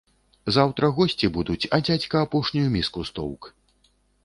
Заўтра госці будуць, а дзядзька апошнюю міску стоўк.